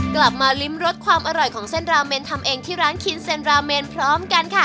กลับมาริมรสความอร่อยของเส้นราเมนทำเองที่ร้านคินเซ็นราเมนพร้อมกันค่ะ